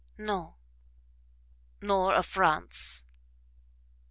"Nor of France?"